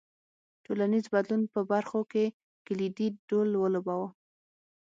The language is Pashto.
ټولنیز بدلون په برخو کې کلیدي رول ولوباوه.